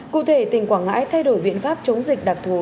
cụ thể tỉnh quảng ngãi thay đổi biện pháp chống dịch đặc thù